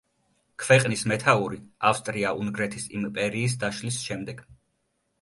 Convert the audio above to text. ქვეყნის მეთაური ავსტრია-უნგრეთის იმპერიის დაშლის შემდეგ.